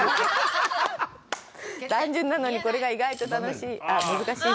単純なのに、これが意外と難しい！